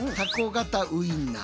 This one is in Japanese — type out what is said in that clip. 型ウインナー